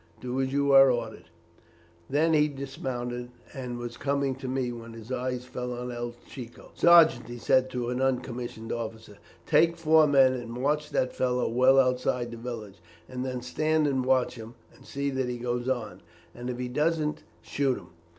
Do as you are ordered!' "Then he dismounted, and was coming to me, when his eye fell on El Chico. 'Sergeant,' he said to a non commissioned officer,' take four men and march that fellow well outside the village, and then stand and watch him; and see that he goes on, and if he doesn't, shoot him.'